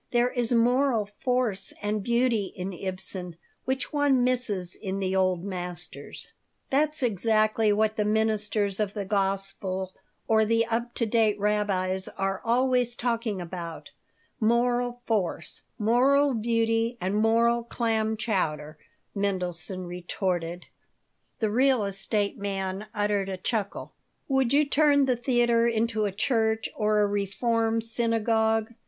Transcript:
There is moral force and beauty in Ibsen which one misses in the old masters." "That's exactly what the ministers of the gospel or the up to date rabbis are always talking about moral force, moral beauty, and moral clam chowder," Mendelson retorted The real estate man uttered a chuckle "Would you turn the theater into a church or a reform synagogue?"